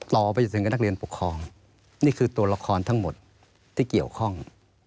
ต่อไปถึงกับนักเรียนปกครองนี่คือตัวละครทั้งหมดที่เกี่ยวข้อง